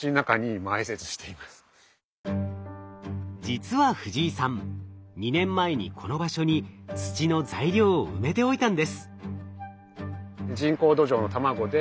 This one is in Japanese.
実は藤井さん２年前にこの場所に土の材料を埋めておいたんです。